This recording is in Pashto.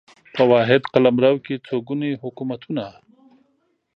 په واحد قلمرو کې څو ګوني حکومتونه